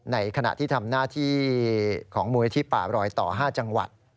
ในขณะที่ทำหน้าที่ของมูลนิธิป่ารอยต่อ๕จังหวัด